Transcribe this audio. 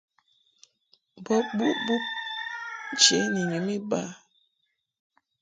Bo buʼ bub nche ni nyum iba.